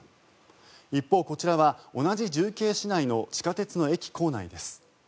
一方、こちらは同じ重慶市内の地下鉄の駅構内です。